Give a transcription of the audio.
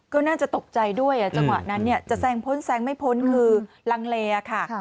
ก็น่าจะตกใจด้วยจังหวะนั้นจะแซงพ้นแซงไม่พ้นคือลังเลค่ะ